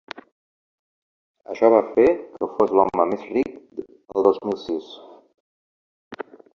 Això va fer que fos l’home més ric el dos mil sis.